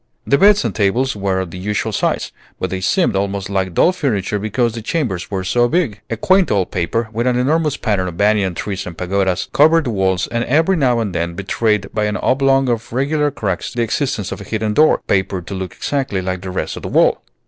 The beds and tables were of the usual size, but they seemed almost like doll furniture because the chambers were so big. A quaint old paper, with an enormous pattern of banyan trees and pagodas, covered the walls, and every now and then betrayed by an oblong of regular cracks the existence of a hidden door, papered to look exactly like the rest of the wall.